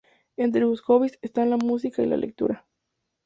Entre sus hobbies están la música y la lectura.